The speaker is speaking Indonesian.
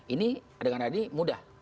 ini dengan adik mudah